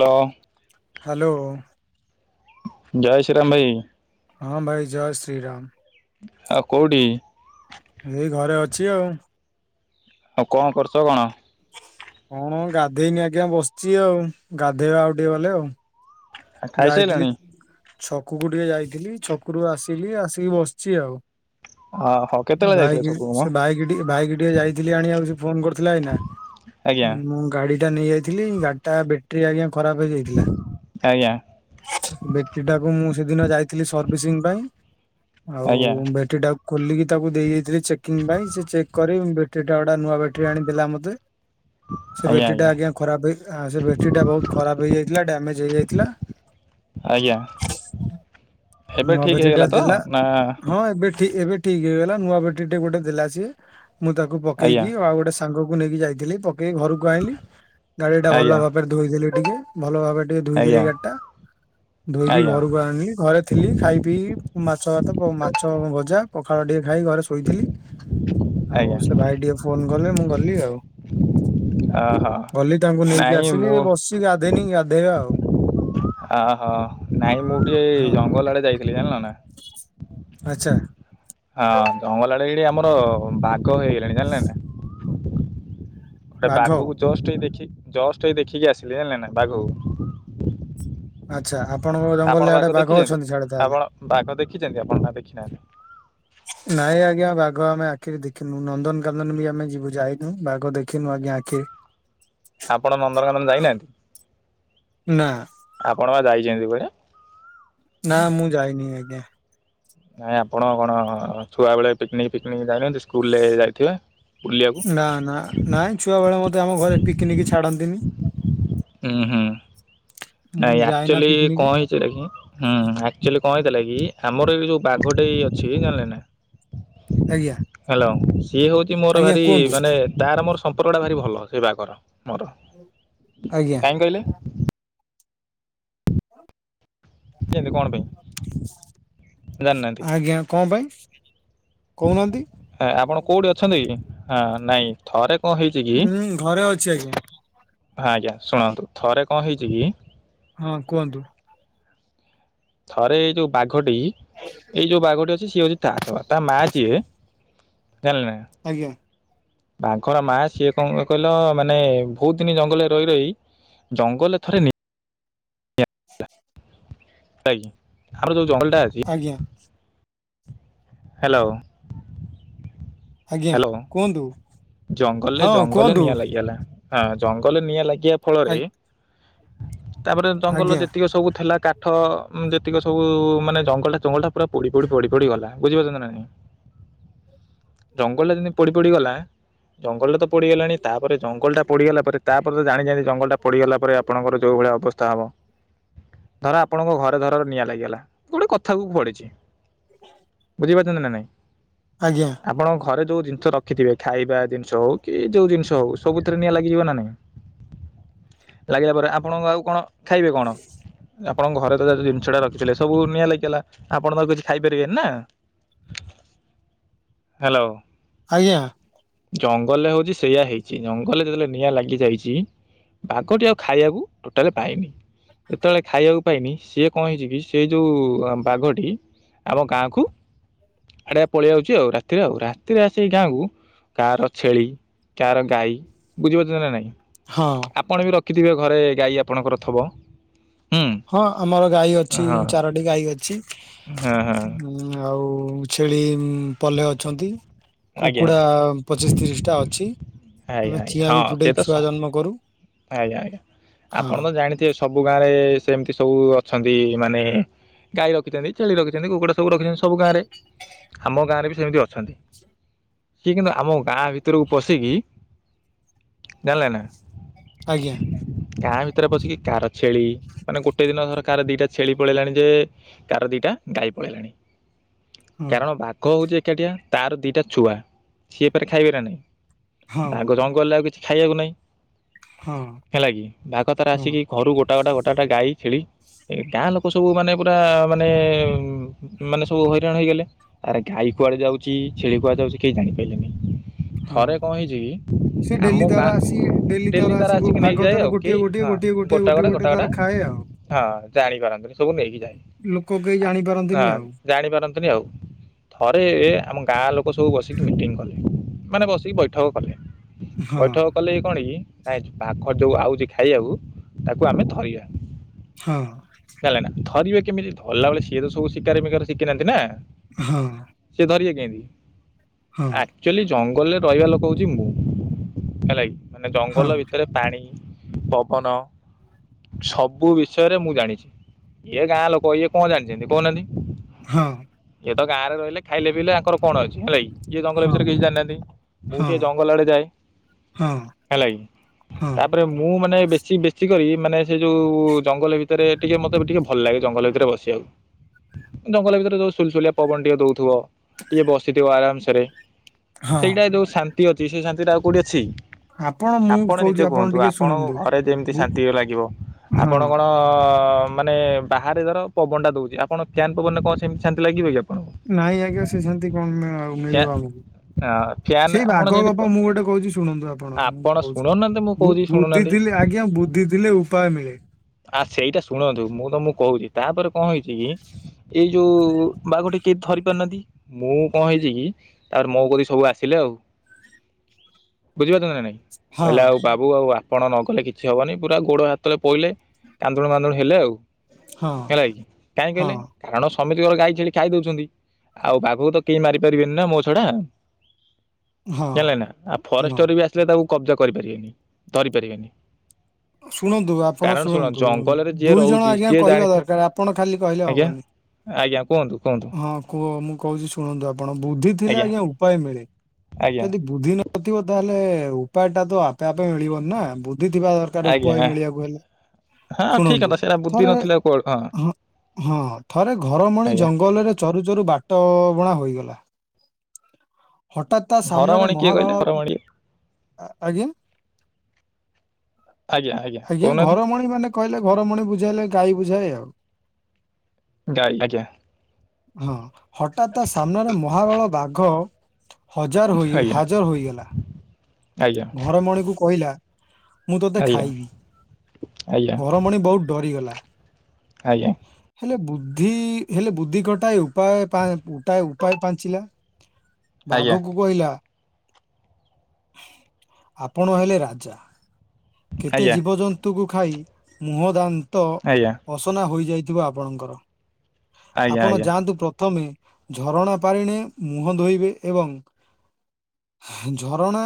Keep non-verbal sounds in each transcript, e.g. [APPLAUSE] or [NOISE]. Hello hello ଜୟ ଶ୍ରୀରାମ ଭାଇ। ହଁ ଭାଇ ଜୟ ଶ୍ରୀ ରାମ। ଆଉ କଉଡ଼ି? ଏଇ ଘରେ ଅଛି ଆଉ। ଆଉ କଣ କରୁଛ କଣ? କଣ ଗାଧେଇନି ଆଜ୍ଞା ବସିଛି ଆଉ, ଗାଧେଇବା ଆଉ ଟିକେ ଗଲେ ଆଉ। ଆ ଯାଇଥିଲି ଖାଇସାରିଲଣି? ଛକକୁ ଟିକେ ଯାଇଥିଲି। ଛକରୁୁ ଆସିଲି ଆସିକି ବସିଛି ଆଉ। ହଁ। ଭାଇକ୍ ସେ ବାଇକ୍ ଟ ବାଇକ୍ ଟିକେ ଯାଇଥିଲି ଆଣିବାକୁ ସେ ଫୋନ କରିଥିଲା ଏଇନା ଆଜ୍ଞା ମୁଁ ଗାଡି ଟା ନେଇଯାଇଥିଲି ଗାଡି ଟା ବ୍ୟାଟେରୀ ଆଜ୍ଞା ଖରାପ ହେଇଯାଇଥିଲା। ଆଜ୍ଞା ବେଟ୍ରି ଟାକୁ ମୁଁ ସେଦିନ ଯାଇଥିଲି ସର୍ଭିସିଂ ପାଇଁ ଆଉ ଆଜ୍ଞା ବେଟ୍ରିଟା ଖୋଲିକି ତାକୁ ଦେଇ ଯାଇଥିଲି ଚେକିଂ ପାଇଁ ସେ ଚେକ୍ କରି ବେଟ୍ରି ଟା ଗୋଟେ ନୂଆ ବେଟ୍ରି ଆଣିଦେଲା ମୋତେ। ସେ ବ୍ୟାଟରୀଟା ଆଜ୍ଞା ଖରାପ ହେଇ ସେ ବ୍ୟାଟରୀ ଟା ବହୁତ ଖରାପ ହେଇଯାଇଥିଲା ଡ୍ୟାମେଜ ହେଇଯାଇଥିଲା। ଆଜ୍ଞା। ଏବେ ମୁଁ ଠିକ ଆଭରିଟା ହେଇଗଲା ତ ଦେଲା ନା ହଁ ଏବେ ଠିକ ଏବେ ଠିକ ହେଇଗଲା ନୂଆ ବେଟ୍ରୀ ଟେ ଗୋଟେ ଦେଲା ସିଏ। ମୁଁ ତାକୁ ଆଜ୍ଞା ପକେଇକି ଆଉ ଗୋଟେ ସାଙ୍ଗକୁ ନେଇକି ଯାଇଥିଲି ପ କେ ଘରକୁ ଆଣିଲି ଗାଡି ଟା ଭଲ ଆଜ୍ଞା ଭାବରେ ଧୋଇଦେଲି ଟିକେ ଭଲ ଭାରେ ଟିକେ ଧୋଇଦେଲି ଆଜ୍ଞା ଗାଡି ଟା। ଧୋଇକି ଆଜ୍ଞା ଘରକୁ ଆଣିଲି ଘରେ ଥିଲି ଖାଇ ପିଇ ମାଛ ଭାତ ମାଛ ଭଜା ପଖାଳ ଟିକେ ଖାଇ ଘରେ ଶୋଇଥିଲି। ଆଉ ଆଜ୍ଞା ସେ ଭାଇ ଟିକେ ଫୋନ କଲେ ମୁଁ ଗଲି ଆଉ। ଓହୋ ଗଲି ତାଙ୍କୁ ନେଇକି ନାଇଁ ଆସିଲି ମୁଁ ବସିଛି। ଗାଧେଇନି ଗାଧେଇବା ଆଉ ଅହୋ ନାଇଁ ମୁଁ ଟିକେ ହଁ ଜଙ୍ଗଲ ଆଡେ ଯାଇଥିଲି ଜାଣିଲ ନା। ଆଛା। ହଁ ଜଙ୍ଗଲ ଆଡେ ଏଇଠି ଆମର ବାଘ ହେଇଗଲାଣି ଜାଣିଲେ ନା? ଗୋଟେ ବାଘ ବାଘକୁ ଜଷ୍ଟ ହେଇ ଦେଖି ଜଷ୍ଟ ହେଇ ଦେଖିକି ଆସିଲି ଜାଣିଲେ ନା ବାଘକୁ। ଆଚ୍ଛା ଆ ଆପଣ ବାଘ ଦେଖିଛନ୍ତି ଆପଣ ବାଘ ଦେଖିଛନ୍ତି ଆପଣ କି ଦେଖିନାହାନ୍ତି? ନାଇଁ ଆଜ୍ଞା ବା ବାଘ ଆମେ ଆଖିରେ ଦେଖିନୁ ନନ୍ଦନକାନନ ବି ଆମେ ଯିବୁ ଯାଇନୁ ବାଘ ଦେଖିନୁ ଆଜ୍ଞା ଆଖିରେ। ଆପଣ ନନ୍ଦନକାନନ ଯାଇନାହାନ୍ତି? ନା ଆପଣ ବା ଯାଇଛନ୍ତି କୁଆଡେ? ନା ମୁଁ ଯାଇ ନାଇ ଆଜ୍ଞା। ନାଇଁ ଆପଣ କଣ ଛୁଆ ବେଳେ ପିକନିକ ଫିକିନିକି ସ୍କୁଲ ରେ ଯାଇଥିବେ। ନା ନା ନାଇଁ ଛୁଆ ବେଳେ ମତେ ଆମ ଘରେ ପିକନିକ ଛାଡନ୍ତିନି। ଉଁ ହୁଁ। ମୁଁ ନାଇଁ ଯାଏନା ଆଚୁଆଲି ପିକନିକ କଣ ହେଇଛି। ହୁଁ ଆକ୍ଚୁଆଲି କଣ ହେଇଥିଲା କି? ଆମର ଏଇ ଯୋଉ ବାଘଟେ ଅଛି ଜାଣିଲେ ନା? ଆଜ୍ଞା। ହ୍ୟାଲୋ ସିଏ ହଉଛି ମୋର ଆଜ୍ଞା ଭାରି କୁହନ୍ତୁ ମାନେ ତାର ମୋର ସମ୍ପର୍କଟା ଭାରି ଭଲ ସେ ବାଘର। ମୋର [INAUDIBLE] ଆଜ୍ଞା କାହିଁ କହିଲେ? କେମିତି କଣ ପାଇଁ ଜାଣିନାହାନ୍ତି [INAUDIBLE] ଆଜ୍ଞା କଣ ପାଇଁ। କହୁନାହାନ୍ତି। ଆପଣ କୋଉଠି ଅଛନ୍ତି। ହ ନାଇଁ ଥରେ କଣ ହେଇଛି କି ହୁଁ ଘରେ ଅଛି ଆଜ୍ଞା। ହଁ ଆଜ୍ଞା ଶୁଣନ୍ତୁ ଥରେ କଣ ହେଇଛି କି? ହଁ କୁହନ୍ତୁ। ଥରେ ଏଇ ଯୋଉ ବାଘଟି ଏଇ ଯୋଉ ବାଘଟି ଅଛି। ସିଏ ହଉଛି ତା ଛଆ ତା ମା ଯିଏ ଜାଣିଲେନା। ଆଜ୍ଞା [INAUDIBLE] ବାଘର ମା ସିଏ କଣ କହିଲ ମାନେ ବହୁତ ଦିନ ଜଙ୍ଗଲରେ ରହି ରହି ଜଙ୍ଗଲ ରେ ଥରେ ଆ କାହିଁକି ଆମର ଯୋଉ ଜଙ୍ଗଲ ଆଜ୍ଞା। ହାଲୋ। [INAUDIBLE] ଆଜ୍ଞା କୁହନ୍ତୁ। ଜଙ୍ଗଲରେ ହଁ ଜଙ୍ଗଲରେ କୁହନ୍ତୁ ନିଆ ଲାଗିଆଲା। ହଁ ଜଙ୍ଗଲରେ ନିଆ ଲାଗିବା ଫଳରେ ଆଜ୍ଞା ତାପରେ ଜଙ୍ଗଲ ଆଜ୍ଞା ଯେତିକି ସବୁ ଥିଲା। କାଠ ଯେତିକ ସବୁ ମାନେ ଜଙ୍ଗଲ ଟା ଜଙ୍ଗଲ ଟା ପୁରା ପୋଡି ପୋଡି ପୋଡି ପଡି ଗଲା। ବୁଝିପାରୁଛନ୍ତି ନା ନାଇଁ। [INAUDIBLE] ଜଙ୍ଗଲ ଟା ଯେମିତି ପୋଡି ପୋଡିଗଲା। ଜଙ୍ଗଲଟା ତ ପୋଡିଗଲାଣି। ତାପରେ ଜଙ୍ଗଲ ଟା ପଡିଗଲା ପରେ ତାପରେ ତ ଜାଣିଛନ୍ତି ଜଙ୍ଗଲଟା ପୋଡିଗଲା ଆପଣଙ୍କର ଯୋଉ ଭଳିଆ ଅବସ୍ଥା। ହବ [INAUDIBLE] ଧର ଆପଣଙ୍କ ଘରେ ଧର ନିଆଁ ଲାଗିଗଲା ଗୋଟେ କଥାକୁକୁ ପଡିଛି। ବୁଝିପାରୁଛନ୍ତି ନା ନାଇଁ। ଆଜ୍ଞା ଆପଣ ଘରେ ଯୋଉ ଜିନିଷ ରଖିଥିବେ। ଖାଇବା ଜିନିଷ ହଉ କି ଯୋଉ ଜିନିଷ ହଉ ସବୁଥିରେ ନିଆଁ ଲାଗିଯିବ ନା ନାଇଁ। ଲାଗିଲା ପରେ ଆପଣ ଆଉ କଣ ଖାଇବେ କଣ? ଆପଣଙ୍କ ଘରେ ତ ଯ ଜିନିଷ ଟା ରଖିଥିଲେ ସବୁ ନିଆଁ ଲାଗିଗଲା। ଆପଣ ତ କିଛି ଖାଇପାରିବେନି ନା। [INAUDIBLE] ହାଲୋ। ଆଜ୍ଞା। ଜଙ୍ଗଲରେ ହଉଛି ସେଇୟା ହେଇଛି ଜଙ୍ଗଲରେ ଯେତେବେଳେ ନିଆଁ ଲାଗି ଯାଇଚି। ବାଘଟି ଆଉ ଖାଇବାକୁ ଟୋଟାଲି ପାଏନି। ସେତେବେଳେ ଖାଇବାକୁ ପାଏନି। ସିଏ କଣ ହେଇଛି କି ସେଇ ଯୋଉ ବାଘଟି ଆମ ଗାଁ କୁ [INAUDIBLE] ହେରା ପଳେଇ ଆଉଚି। ଆଉ ରାତିରେ ଆଉ ରାତିରେ ଆସିକି ଗାଁକୁ କାହାର ଛେଳି କାହାର ଗାଈ ବୁଝିପାରୁଛନ୍ତି ନା ନାଇଁ। ହଁ। ଆପଣ ବି ରଖିଥିବେ ଘରେ ଗାଈ ଆପଣଙ୍କର ଥବ। ହୁଁ ହଁ ଆମର ଗାଈ ଅଛି ହଁ ଚାରୋଟି ଗାଈ ଅଛି। ହଁ ହଁ [INAUDIBLE] ଆଉ ଛେଳି ପଲେ ଅଛନ୍ତି। ଆଜ୍ଞା କୁକୁଡା ପଚିଶ ତିରିଶ ଟା ଅଛି। ଆଜ୍ଞା ଆମେ ଆଜ୍ଞା ଚିଆଁ ହଁ ବି ସେ ଫୁଟେଇ ତ ସ ଛୁଆ ଜନ୍ମ କରୁ। ଆଜ୍ଞା ଆଜ୍ଞା ଆପଣ ହଁ ତ ଜାଣିଥିବେ ସବୁ ଗାଁ ରେ ସେମିତି ସବୁ ଅଛନ୍ତି। ମାନେ ଗାଈ ରଖିଛନ୍ତି ଛେଳି ରଖିଛନ୍ତି କୁକୁଡା ସବୁ ରଖିଛନ୍ତି ସବୁ ଗାଁରେ ଆମ ଗାଁରେ ବି ସେମିତି ଅଛନ୍ତି। ସିଏ କିନ୍ତୁ ଆମ ଗାଁ ଭିତରକୁ ପଶିକି ଜାଣିଲେ ନା। ଆଜ୍ଞା। ସେଥିରେ ପଶିକି କାହାର ଛେଳି ମାନେ ଗୋଟେ ଦିନର କାହାର ଦିଟା ଛେଳି ପଳେଇଲାଣି ଯେ କାହାର ଦିଟା ଗାଈ। ପଳେଇଲାଣି। ହଁ କାରଣ ବାଘ ହଉଛି ଏକାଠିଆ ତାର ଦିଟା ଛୁଆ ସିଏ ଫେରେ ଖାଇବେ ନା ହଁ ନାହିଁ। ବାଘ ଜଙ୍ଗଲରେ ଆଉ କିଛି ଖାଇବାକୁ ନାହିଁ। ହଁ ହେଲା କି ବାଘ ତାର ହଁ ଆସିକି ଘରୁ ଗୋଟା ଗୋଟା ଗୋଟା ଗଟା ଗାଈ ଛେଳି। ଗାଁ ଲୋକ ସବୁ ମାନେ ପୁରା ମାନେ ଉ ମାନେ ସବୁ। ହେଇଗଲେ ଆ ଗାଈ କୁଆଡେ ଯାଉଛି ଛେଳି କୁଆଡ ଯାଉଛି କେହି ଜାଣିପାରିଲେନି। ହଁ। ଥରେ କଣ ହେଇଛି କି ସେ ଆମ ଡେଲି ତାର ଗାଁ। ଆସି ଡେଲି ତାର ଆସି ଗୋ- ଆସିକି ନେଇକି ବାଘ ଯାଏ ତାର ଆଉ ଗୋଟିଏ କେହି ଗୋଟିଏ ହଁ ଗୋଟିଏ ଗୋଟିଏ ଗୋଟା ଗୋଟିଏ ଗୋଟା ଗୋଟିଏ ଗୋଟା ତାର କଟା ଖାଏ ଆଉ। ହଁ ଜାଣିପାରନ୍ତିନି। ସବୁ ନେଇକି ଯାଏ ଲୋକ କେହି ଜାଣିପାରନ୍ତିନି ହଁ ଆଉ ଜାଣିପାରନ୍ତିନି। ଆଉ ଥରେ ଆମ ଗାଁ ଲୋକ ସବୁ ବସିକି ମିଟିଂ କଲେ। ମାନେ ବସିକି ବୈଠକ କଲେ ହଁ ବୈଠକ କଲେ କଣ କି ନାଇଁ। ଯଉ ଆଉଛି ଖାଇବାକୁ ତାକୁ ଆମେ ଧରିବା ହଁ ହେଲା ଧରିବା। କେମିତି ଧରିଲା ବେଳେ ସିଏ ତ ସବୁ ଶିକାରି ମିକାର ଶିଖିନାହାନ୍ତି ନା। ହଁ। ହଁ। ଆକଛୁଲି ଜଙ୍ଗଲରେ ରହିବା ଲୋକ ହଉଛି ମୁଁ ହେଲା କି ମାନେ। ହଁ ଜଙ୍ଗଲ ଭିତରେ ପାଣି, ପବନ। ସବୁ ବିଷୟରେ ମୁଁ ଜାଣିଛି ଇଏ ଗାଁ ଲୋକ ଇଏ କଣ ଜାଣିଛନ୍ତି କହୁନାହାନ୍ତି। ହଁ। ସେ ତ ଗାଁରେ ରହିଲ ଖାଇଲେ ପିଇଲେ ଆଙ୍କର କଣ ଅଛି ହେଲା କି। ଇଏ ଜଙ୍ଗଲ ହଁ ବିଷୟରେ କିଛି ଜାଣିନାହାନ୍ତି। ମୁଁ ଟିକିଏ ଜଙ୍ଗଲ ଆଡ଼େ ଯାଏ ହଁ ହେଲା କିି। ହଁ ତାପରେ ମୁଁ ମାନେ ବେଶି ବେଶି କରି ମାନେ ସେ ଯୋଉ ଜଙ୍ଗଲ ଭିତରେ ଟିକେ ମତେ ବି ଟିକେ ଭଲ ଲାଗେ ଜଙ୍ଗଲ ଭିତରେ ବସିବାକୁ। ଜଙ୍ଗଲ ଭିତରେ ଯୋଉ ସୁଲସୁଲିଆ ପବନ ଟିକେ ଦଉଥିବ ଟିକେ ବସିଥିବ ଆରାମସରେ। ହଁ। ସେଇଟା ଯୋଉ ଶାନ୍ତି ଅଛି ସେଇ ଶାନ୍ତି ଟା ଆଉ କୋଉଠି ଅଛି। ମୁଁ ଆପଣ କହୁଛି ନିଜେ କୁହନ୍ତୁ ଟିକେ ଆପଣଙ୍କୁ ଶୁଣନ୍ତୁ। ଘରେ ଯେମିତି ଗୁ ଶାନ୍ତି ଲାଗିବ ହଁ ଆପଣ କଣ ମାନେ ବାହାରେ ଧର ପବନ ଟା ଦଉଛି ଆପଣ ଫ୍ୟାନ ପବନରେ କଣ ସେମିତି ଶାନ୍ତି ଲାଗିବ କି ଆପଣଙ୍କୁ? ନାଇଁ ଆଜ୍ଞା ସେ ସେମିତି କଣ ଆ ମିଳିବ ଆମକୁ। ଫ୍ୟାନ୍ ସେଇ ଆପଣ ବାଘ ଯେମିତି ଗପ ମୁଁ ଗୋଟେ କହୁଛି ଶୁଣନ୍ତୁ ଆପଣ। ଶୁଣୁନାହାନ୍ତି ମୁଁ କହୁଛି ବୁଦ୍ଧି ଶୁଣୁନାହାନ୍ତି ଥିଲେ ଆଜ୍ଞା ବୁଦ୍ଧି ଥିଲେ ଉପାୟ ମିଳେ। ଆ ସେଇଟା ଶୁଣନ୍ତୁ ମୁଁ ତମକୁ କହୁଛି ତାପରେ କଣ ହେଇଛି କି ଏଇ ଯୋଉ ବା ଗୋଟେ କେହି ଧରି ପାରୁନାହାନ୍ତି। ମୁଁ କଣ ହେଇଛି କି ତାପରେ ମୋ କତିକି ସବୁ ଆସିଲେ ଆଉ। ବୁଝିପାରୁଛ ନା ନାଇଁ ହଁ କହିଲେ ଆଉ ବାବୁ ଆଉ ଆପଣ ନଗଲେ କିଛି ହବନି ପୁରା ଗୋଡ଼ ହାତଳେ ପଇଲେ କାନ୍ଦୁଣୁ ମାନ୍ଦୁଣୁ ହେଲେ ଆଉ। ହଁ ହେଲା କି କାଇଁ ହଁ କହିଲେ କାରଣ ସମିତିଙ୍କର ଗାଈ ଛେଳି ଖାଇ ଦଉଛନ୍ତି ଆଉ ବାଘକୁ ତ କେହି ମାରିପାରିବେନି ନା ମୋ ଛଡା। ହଁ ଜାଣିଲେ ନା ଆଉ ହଁ। ଫରେଷ୍ଟର ବି ଆସିଲେ ଆଉ ତାକୁ କବ୍ଜା କରିପାରିବେନି ଧରି ପାରିବେନି। [INAUDIBLE] ଶୁଣନ୍ତୁ ଆପଣ କାରଣ ଶୁଣ ଶୁଣନ୍ତୁ ଜଙ୍ଗଲରେ ଯିଏ ଦୁଇ ଜଣ ରହୁଛି ଆଜ୍ଞା ସିଏ କହିବା ଜାଣିଥି ଦରକାର ଆପଣ ଖାଲି କହିଲେ ଆଜ୍ଞା ହବନି। ଆଜ୍ଞା [UNINTELLIGIBLE] ହଁ କୁହ ମୁଁ କହୁଛି ଶୁଣନ୍ତୁ ଆପଣ ବୁଦ୍ଧି ଥିଲେ ଆଜ୍ଞା ଉପାୟ ମିଳେ। ଆଜ୍ଞା ଯଦି ବୁଦ୍ଧି ନଥିବ ତାହେଲେ ଉପାୟ ଟା ତ ଆପେ ଆପେ ମିଳିବନି ନା ବୁ ଦ୍ଧିଥିବା ଦରକାର ଆଜ୍ଞା ଉପାୟ ମିଳିବାକୁ ହେଲେ। ହଁ ଠିକ ଶୁଣନ୍ତୁ କଥା ସେଇଟା ବୁଦ୍ଧି ଥରେ ନଥିଲା ଆଉ କୁଆଡୁ ହଁ ହଁ ଥରେ ଆଜ୍ଞା ଜଙ୍ଗଲରେ ଚରୁ ଚରୁ ବାଟ ବୁଣା ହୋଇଗଲା। ହଠାତ୍ ତା ସାମ୍ନାରେ ଘରମଣି କିଏ କହିଲେ ମହାବାଳ ଘରମଣି ଆଜ୍ଞା। ଆଜ୍ଞା ଆଜ୍ଞା କହୁନାହାନ୍ତି ଘରମଣି ମାନେ କହିଲେ ଘରମଣି ବୁଝାଇଲେ ଗାଈ ବୁଝାଏ ଆଉ ଗାଈ ଆଜ୍ଞା ହଁ ହଠାତ ତା ସାମ୍ନାରେ ମହାବଳ ବାଘ ହଜାର ହୋଇ ଆଜ୍ଞା ହାଜର ହୋଇଗଲା ଆଜ୍ଞା ଘରମଣିକୁ କହିଲା। ମୁଁ ତୋତେ ଆଜ୍ଞା ଖାଇବି ଆଜ୍ଞା ଘର ମଣି ବହୁତ ଡରିଗଲା ଆଜ୍ଞା। ହେଲେ ବୁଦ୍ଧି ହେଲେ ବୁଦ୍ଧି କଟାଏ ଉପାୟଟପାଏ ଉପାୟ ଉପାୟ ପାଞ୍ଚିଲା। ଆଜ୍ଞା ବାଘକୁ କହିଲା ଆପଣ ହେଲେ ରାଜା ଆଜ୍ଞା କେତେ ଆଜ୍ଞା ଜୀବଜନ୍ତୁଙ୍କୁ ଖାଇ ମୁହଁ ଦା ଆଜ୍ଞା ିବ ଆପଣଙ୍କର ଆଜ୍ଞା ଆପଣ ଆଜ୍ଞା ଆଜ୍ଞା ଯାଆନ୍ତୁ ପ ପ୍ରଥମେ ଝରଣା ପାରିଣେ ମୁହଁ ଧୋଇବେ ଏବଂ ଝରଣା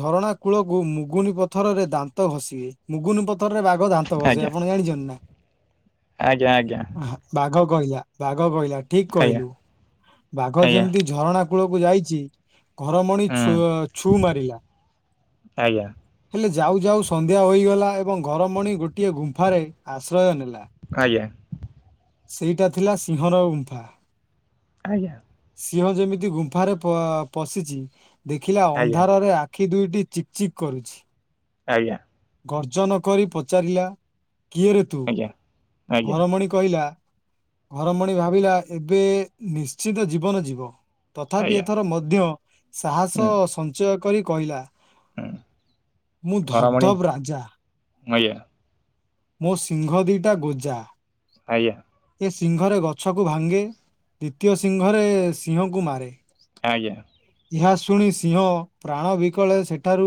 ଝରଣା କୂଳକୁ ମୁଗୁନି ପଥରରେ ଦାନ୍ତ ଘଷିବେ ମୁଗୁନି ପଥରରେ ବାଘ ଦାନ୍ତ ଘଷିବେ ଆଜ୍ଞା ଆପଣ ଜାଣିଛନ୍ତି ନା ଆଜ୍ଞା ଆଜ୍ଞା। ଆହା, ବାଘ କହିଲା ବାଘ କହିଲା ଠିକ କହିଲୁ ହୁଁ ବାଘ ଯେମତି ଝରଣା କୁଳ କୁ ଯାଇଛି ଆଜ୍ଞା ଯାଉ ଯାଉ ସନ୍ଧ୍ୟା ହୋଇଗଲା ଏବଂ ଆଜ୍ଞା। ସେଇଟା ଥିଲା ସିଂହର ଗୁମ୍ଫା। ଆଜ୍ଞା। ସିଂହ ଯେମିତି ଗୁମ୍ଫାରେ ପ ପଶିଛି ଦେଖିଲା ଅନ୍ଧାରରେ ଆ ଆଖି ଦୁଇଟି ଚିକ୍ ଚିକ୍ କରୁଛି ଆଜ୍ଞା। ଗର୍ଜନ କରି ପଚାରିଲା କିଏରେ ତୁ? ଆଜ୍ଞା ଘରମଣି କହି ଲା ଘରମଣି ଭାବିଲା ଏବେ ନିଶ୍ଚିତ ଜୀବନ ଯିବ। ତଥାପି ଆଜ୍ଞା ଏଥର ମଧ୍ୟ ହୁଁ ସାହସ ସଞ୍ଚୟ କରି କହିଲା ହୁଁ ମୁଁ ଧବ୍ ଘରମଣି ଧବ୍ ରାଜା। ଆଜ୍ଞା। ମୋ ସିଂଘ ଦିଇଟା ଗୋଜା। ଆଜ୍ଞା। ସିଂଘରେ ଗଛକୁ ଭାଙ୍ଗେ। ଦ୍ଵିତୀୟ ସିଂଘରେ ସିଂହକୁ ମାରେ। ଆଜ୍ଞା ଏହା ଶୁଣି ସିଂହ ପ୍ରାଣ ବିକଳେ ସେଠାରୁ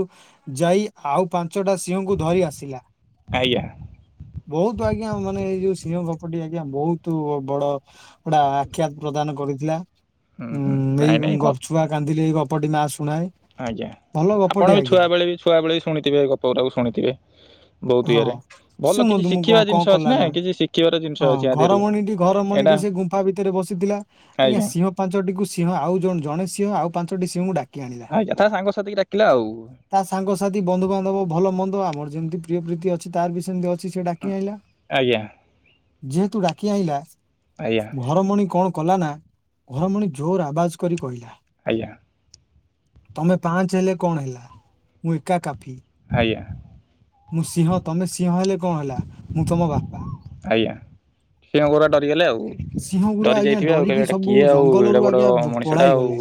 ଯାଇ ଆଉ ପା ପାଞ୍ଚଟା ସିଂହଙ୍କୁ ଧରି ଆସିଲା। ଆଜ୍ଞା ବହୁତ ଆଜ୍ଞା ମାନେ ଏଇ ଯୋଉ ସିଂହ ଗପଟି ଆଜ୍ଞା ବହୁତ ବଡ ଗୋଟେ ଆଖ୍ୟାତ ପ୍ରଦାନ କ କରିଥିଲା ହୁଁ ହୁଁ ଉଁ, ଏଇ ନାଇଁ ନାଇଁ ଗ ଘ ଛୁଆ କାନ୍ଦିଲେ ଏଇ ଗପଟି ମା ଶୁ ଆଜ୍ଞା ଆପଣ ବି ଛୁଆବେେଳେ ବି ଛୁଆବେଳେ ବି ଶୁଣିଥିବେ ଗପ ଉଡାକୁ ଶୁଣିଥିବେ। ବହୁତ ହଁ ଇଏରେ ଭଲ କିଛି ଶୁଣନ୍ତୁ ମୁଁ ଶିଖିବା କଣ କଣ ଜିନିଷ ଅଛି କଲା ନା କିଛି ଶିଖିବାର ଜିନିଷ ହଁ ଅଛି ଆ ଘର ଦେହରୁ ମଣିଟି ଘର ଏଇଟା ମଣିଟି ସେ ଗୁମ୍ଫା ଭିତରେ ବସ ସିଥିଲା ଆଜ୍ଞା ସିଂହ ପାଞ୍ଚଟି କୁ ସିଂହ ଆଉ ଜଣ ଜଣେ ସିଂହ ଆଉ ପାଞ୍ଚଟି ସିଂହଙ୍କୁ ଡାକ କି ଆଣିଲା। ଆଜ୍ଞା ତା ସାଙ୍ଗସାଥିକି ଡାକିଲା ଆଉ ତା ସାଙ୍ଗସାଥି, ବନ୍ଧୁବାନ୍ଧବ, ଭଲ ମନ୍ ଦ ଆମର ଯେମିତି ପ୍ରିୟ ପ୍ରୀତି ଅଛି ତାର ବି ସେମିତି ଅଛି ସିଏ ଡାକି ଆଣିଲା। ଆଜ୍ଞା ଯେହେତୁ ଡାକି ଆଇଁଲା ଆଜ୍ଞା ଘରମଣି କଣ କଲାନା ଘରମଣି ଜୋର ଆବାଜ କରି କହିଲା। ଆଜ୍ଞା। ତୋମେ ପାଞ୍ଚ ହେଲେ କଣ ହେଲା। ମୁଁ ଏକା କା ଆଜ୍ଞା। ମୁଁ ସିଂହ। ତୋମେ ସିଂହ ହେଲେ କଣ ହେଲା ମୁଁ ତୋମ ବାପା। ଆଜ୍ଞା ସିଏ ପୁରା ଡରିଗଲେ ଆଉ ସିଂହ ଗୁରା ଡରି ଆଜ୍ଞା ଯାଇଥିବେ ଆଉ ଡରିକି କହିବେ ଏଇଟା ସବୁ କିଏ ଆଉ ଏଡ଼େ ଜଙ୍ଗଲରୁୁ ବଡ଼ ଆଜ୍ଞା ମଣିଷଟା ପ-ପଳାଇ ଆଉ ଗଲେ।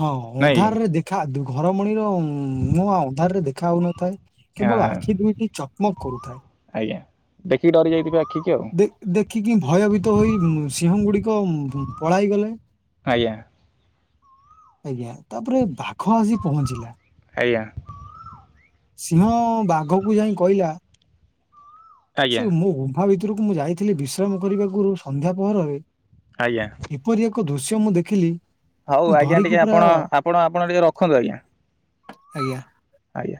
ହଁ ନାଇଁ ଅନ୍ଧାରରେ ଦେଖା ଘରମଣିର ମୁହଁ ଅନ୍ଧାରରେ ଦେଖା ହଉନଥାଏ। କି କେବଳ ହଁ ଆଖି ଦୁଇଟି ଚକମକ କରୁଥାଏ। ଆଜ୍ଞା ଦେଖିକି ଡରି ଯାଇଥିବେ ଆଖିକି ଆଉ ଦେ ଦେଖିକି ଭୟଭୀତ ହୋଇ ଉଁ, ସିଂହ ଗୁଡିକ ଉଁ, ପଳାଇ ଗଲେ। ଆଜ୍ଞା। ଆଜ୍ଞା, ତାପରେ ବା ଘ ଆସି ପହଞ୍ଚିଲା। ଆଜ୍ଞା ସିଂହ ବା ଘକୁ ଯାଇ କହିଲା ଆଜ୍ଞା ସେ ମୋ ଗୁମ୍ଫା ଭିତରକୁ ମୁଁ ଯାଇଥିଲି ବିଶ୍ରାମ କରିବାକୁରୁ ସନ୍ଧ୍ୟା ପହରରେ ଆଜ୍ଞା ଏପରି ଏକ ଦୃଶ୍ୟ ମୁଁ ଦେଖିଲି। ହଉ ମୁଁ ଆଜ୍ଞା ଧରିକି ଟିକେ ପୁରା ଆପଣ ଆପଣ ଆପଣ ଟିକେ ରଖନ୍ତୁ ଆଜ୍ଞା। ଆଜ୍ଞା। ଆଜ୍ଞା।